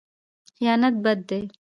خیانت بد دی.